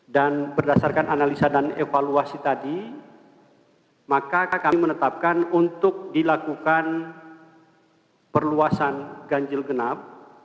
dan berdasarkan analisa dan evaluasi tadi maka kami menetapkan untuk dilakukan perluasan genjil genap